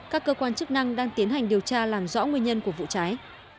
các cơ quan chức năng đang tiến hành điều tra làm rõ nguyên nhân của vụ cháy